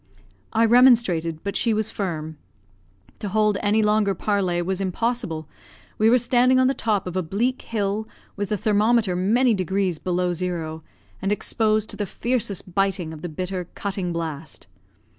I remonstrated, but she was firm. To hold any longer parley was impossible. We were standing on the top of a bleak hill, with the thermometer many degrees below zero, and exposed to the fiercest biting of the bitter, cutting blast.